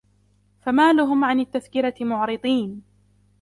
فما لهم عن التذكرة معرضين